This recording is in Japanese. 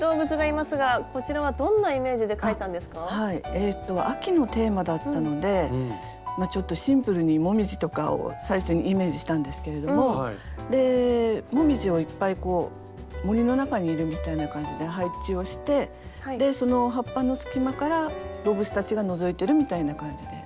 えっと秋のテーマだったのでまあちょっとシンプルに紅葉とかを最初にイメージしたんですけれども紅葉をいっぱいこう森の中にいるみたいな感じで配置をしてでその葉っぱの隙間から動物たちがのぞいてるみたいな感じで。